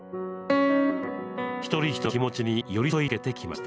一人一人の気持ちに寄り添い続けてきました。